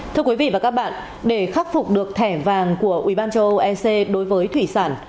thưa quý vị và các bạn để khắc phục được thẻ vàng của ubnd đối với thủy sản